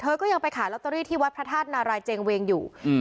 ก็ยังไปขายลอตเตอรี่ที่วัดพระธาตุนารายเจงเวงอยู่อืม